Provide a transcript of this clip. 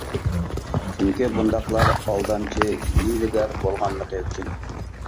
چۈنكى، بۇنداقلار ئالدامچى، ھىيلىگەر بولغانلىقى ئۈچۈن.